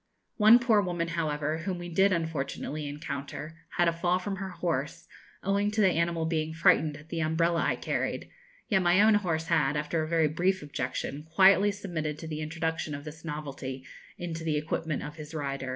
One poor woman, however, whom we did unfortunately encounter, had a fall from her horse, owing to the animal being frightened at the umbrella I carried, yet my own horse had, after a very brief objection, quietly submitted to the introduction of this novelty into the equipment of his rider.